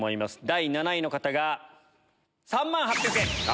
第７位の方が３万８００円。